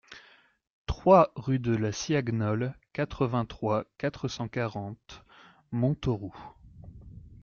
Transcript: trois rue de la Siagnole, quatre-vingt-trois, quatre cent quarante, Montauroux